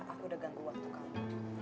aku udah ganggu waktu kamu